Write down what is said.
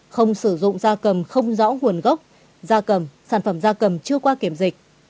không sử dụng da cầm không rõ nguồn gốc da cầm sản phẩm da cầm chưa qua kiểm dịch